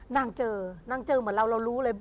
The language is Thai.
นางเจอเหมือนเรารู้เลย